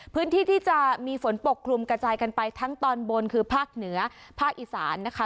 พื้นที่ที่จะมีฝนปกคลุมกระจายกันไปทั้งตอนบนคือภาคเหนือภาคอีสานนะคะ